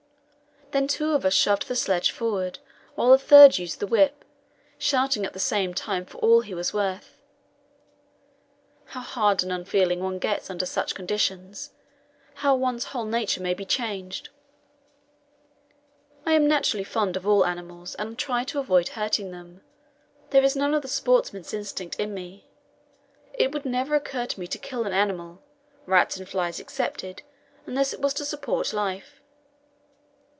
Then two of us shoved the sledge forward, while the third used the whip, shouting at the same time for all he was worth. How hard and unfeeling one gets under such conditions; how one's whole nature may be changed! I am naturally fond of all animals, and try to avoid hurting them. There is none of the "sportsman's" instinct in me; it would never occur to me to kill an animal rats and flies excepted unless it was to support life.